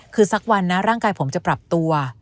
คือสักวันนะร่างกายผมจะปรับตัว